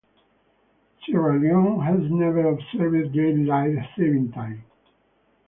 Sierra Leone has never observed daylight saving time.